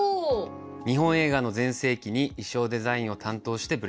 日本映画の全盛期に衣装デザインを担当してブレークしました。